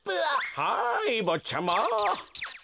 はいぼっちゃま。